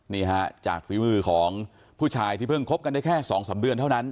นี่ฮะจากฝีมือของผู้ชายที่เพิ่งคบกันได้แค่๒๓เดือนเท่านั้น